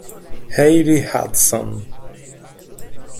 Haley Hudson